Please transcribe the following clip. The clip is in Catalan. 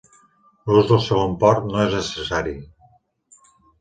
L'ús del segon port no és necessari.